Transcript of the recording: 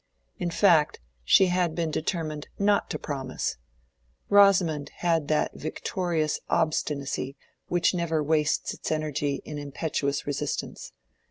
In fact, she had been determined not to promise. Rosamond had that victorious obstinacy which never wastes its energy in impetuous resistance.